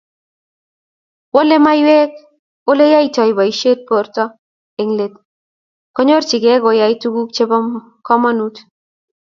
Wolei maiywek Ole yaitoi boisiet borto eng let konyorkei koyoei tuguk chemobo komonut